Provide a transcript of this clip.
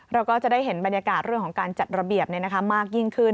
เราก็จะได้เห็นบรรยากาศเรื่องของการจัดระเบียบมากยิ่งขึ้น